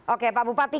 oke pak bupati